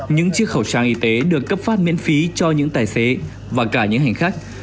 những chiếc khẩu trang y tế được cấp phát miễn phí cho những tài xế và cả những hành khách